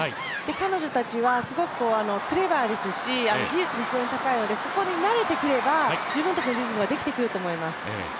彼女たちはすごくクレバーですし技術も非常に高いですので、ここに慣れてくれば、自分たちのリズムができてくると思います。